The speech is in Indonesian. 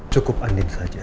cukup angin saja